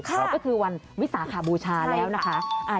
ก็คือวันวิสาขบูชาแล้วนะคะ